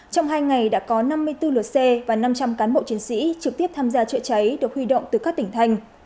trong hai ngày đã có năm mươi bốn lượt xe và năm trăm linh cán bộ chiến sĩ trực tiếp tham gia chữa cháy được huy động từ các tỉnh thành